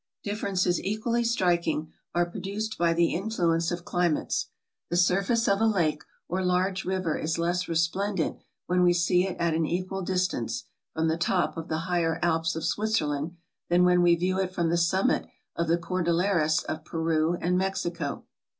Differences equally striking are produced by the influence of climates ; the surface of a lake or large river is less resplendent when we see it at an equal distance, from 414 TRAVELERS AND EXPLORERS the top of the higher Alps of Switzerland than when we view it from the summit of the Cordilleras of Peru and Mexico.